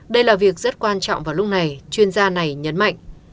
đây là việc rất quan trọng vào lúc này chuyên gia này nhấn mạnh